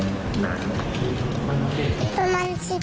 ประมาณ๑๐นาที